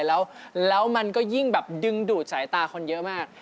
แล้วมันก็ยิ่งแบบดึงดูดสายตาคนเยอะมาก